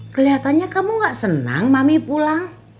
kelihatannya kamu gak senang mami pulang